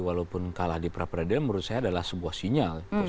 walaupun kalah di prapradil